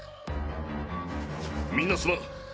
みんなすまん。